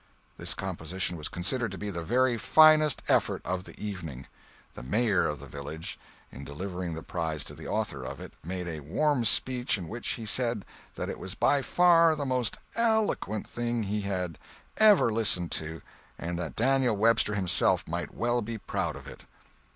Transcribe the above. This composition was considered to be the very finest effort of the evening. The mayor of the village, in delivering the prize to the author of it, made a warm speech in which he said that it was by far the most "eloquent" thing he had ever listened to, and that Daniel Webster himself might well be proud of it.